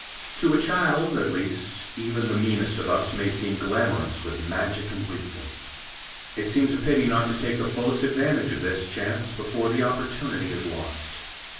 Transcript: To a child, at least, even the meanest of us may seem glamourous with magic and wisdom. It seems a pity not to take the fullest advantage of this chance before the opportunity is lost.